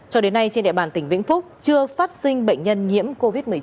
cho đến nay trên đại bản tỉnh vĩnh phúc chưa phát sinh bệnh nhân nhiễm covid một mươi chín mới